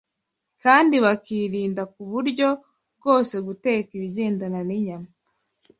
kandi bakirinda ku buryo bwose guteka ibigendana n’inyama